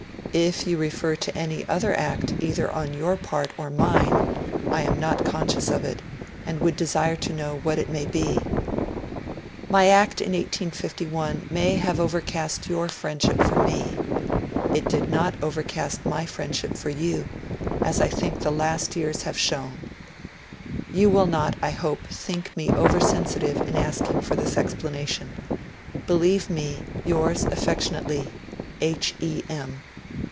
'If you refer to any other act either on your part or mine I am not conscious of it, and would desire to know what it may be. 'My act in 1851 may have overcast your friendship for me. It did not overcast my friendship for you, as I think the last years have shown. 'You will not, I hope, think me over sensitive in asking for this explanation. Believe me, yours affectionately, 'H. E. M.'